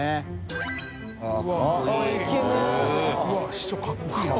師匠かっこいいな。